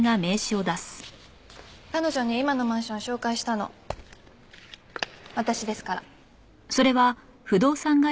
彼女に今のマンション紹介したの私ですから。